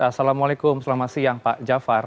assalamualaikum selamat siang pak jafar